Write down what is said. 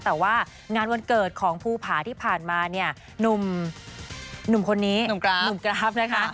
แต่ว่างานวันเกิดของภูผาที่ผ่านมาเนี่ยหนุ่มคนนี้หนุ่มกราฟนะคะ